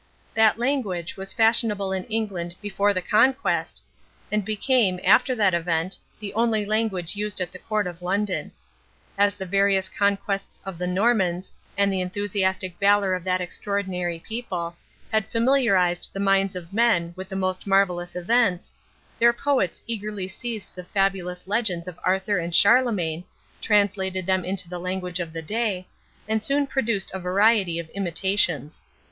That language was fashionable in England before the Conquest, and became, after that event, the only language used at the court of London. As the various conquests of the Normans, and the enthusiastic valor of that extraordinary people, had familiarized the minds of men with the most marvellous events, their poets eagerly seized the fabulous legends of Arthur and Charlemagne, translated them into the language of the day, and soon produced a variety of imitations.